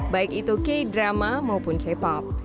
baik itu k drama maupun k pop